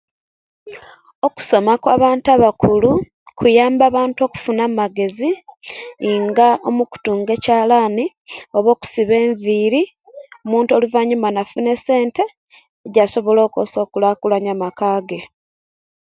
Okusoma kwabantu abakulu kuyamba abantu okufuna amagezi inga mukutunga chalani oba okusiba eviri omuntu oluvanyuma nafuna esente ejasobola okukozesia okukulankulania amakage